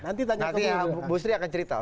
nanti bu sri akan cerita